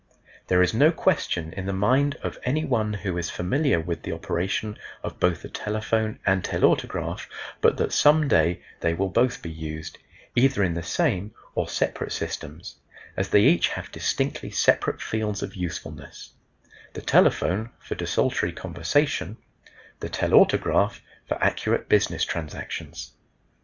There is no question in the mind of any one who is familiar with the operation of both the telephone and telautograph but that some day they will both be used, either in the same or separate systems, as they each have distinctly separate fields of usefulness, the telephone for desultory conversation, the telautograph for accurate business transactions.